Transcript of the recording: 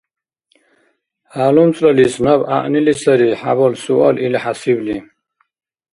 ХӀялумцӀлалис наб гӀягӀнили сари хӀябал суал ил хӀясибли